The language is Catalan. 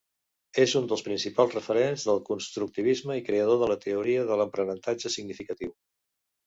És un dels principals referents del constructivisme i creador de la teoria de l'aprenentatge significatiu.